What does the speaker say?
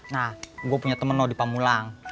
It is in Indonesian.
nah gue punya temen di pamulang